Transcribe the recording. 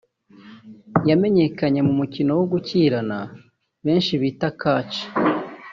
yamenyekanye mu mukino wa gukirana benshi bita catch